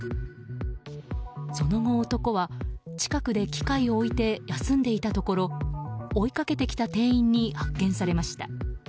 その後、男は近くで機械を置いて休んでいたところ追いかけてきた店員に発見されました。